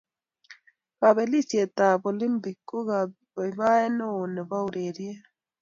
Kobelisietab Olimpik ko kabaibaeet neoo nebo urerieet